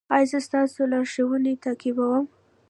ایا زه ستاسو لارښوونې تعقیبوم؟